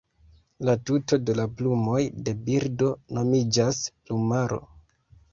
La tuto de la plumoj de birdo nomiĝas "plumaro".